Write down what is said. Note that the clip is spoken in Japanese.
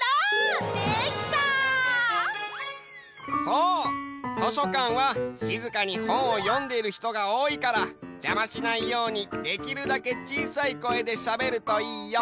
そう！としょかんはしずかにほんをよんでいるひとがおおいからじゃましないようにできるだけちいさい声でしゃべるといいよ。